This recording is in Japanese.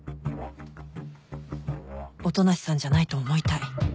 音無さんじゃないと思いたい